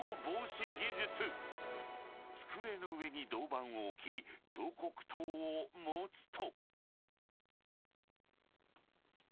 ［机の上に銅板を置き彫刻刀を持つと］